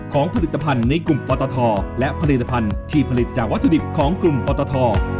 ผลิตภัณฑ์ในกลุ่มปตทและผลิตภัณฑ์ที่ผลิตจากวัตถุดิบของกลุ่มปตท